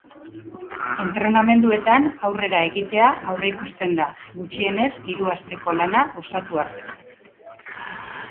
Entrenamenduetan aurrera egitea aurreikusten da, gutxienez hiru asteko lana osatu arte.